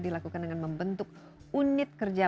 dilakukan dengan membentuk unit kerja